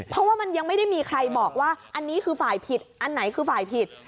เพราะว่ามันยังไม่ได้มีใครบอกว่าอันนี้คือฝ่ายผิดอันไหนคือฝ่ายผิด